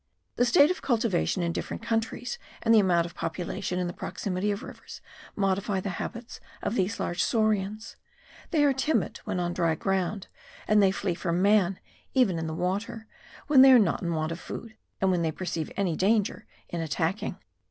The state of cultivation in different countries and the amount of population in the proximity of rivers modify the habits of these large saurians: they are timid when on dry ground and they flee from man, even in the water, when they are not in want of food and when they perceive any danger in attacking.